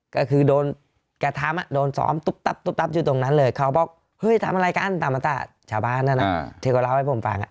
ก็คือโดนกระทำโดนสอมตุ๊บตับอยู่ตรงนั้นเลยเขาก็บอกทำอะไรกันตามมาตราชาวบ้านเลยนะเธอก็เล่าให้ผมฟัง